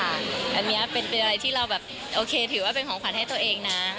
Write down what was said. อันนี้เป็นอะไรที่เราแบบโอเคถือว่าเป็นของขวัญให้ตัวเองนะ